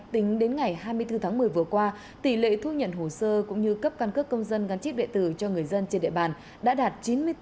tỉnh lào cát tỉnh lào cát tỉnh lào cát tỉnh lào cát vừa qua tỉ lệ thu nhận hồ sơ cũng như cấp căn cướp công dân ngăn chích địa tử cho người dân trên địa bàn đã đạt chín mươi bốn tám mươi chín